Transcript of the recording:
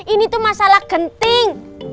ini tuh masalah genting